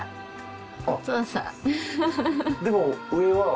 でも上は。